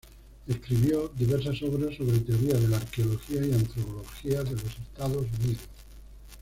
Escribió diversas obras sobre teoría de la arqueología y antropología de los Estados Unidos.